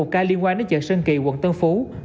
một ca liên quan đến chợ sơn kỳ quận tân phú